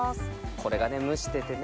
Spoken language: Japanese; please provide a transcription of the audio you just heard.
これがね蒸しててね。